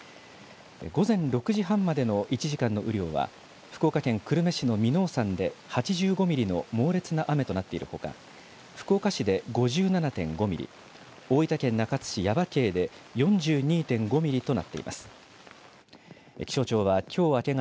午前６時半までの１時間の雨量は、福岡県久留米市の耳納山で８５ミリの猛烈な雨となっているほか、福岡市で５７．５ミリ、大分県中津市耶馬渓で４２．５ミリとなっています。